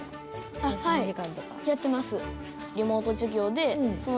はいやってます。